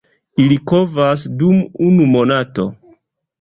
Ili kovas dum unu monato.